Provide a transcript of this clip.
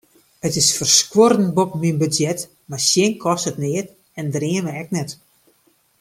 It is ferskuorrend boppe myn budzjet, mar sjen kostet neat en dreame ek net.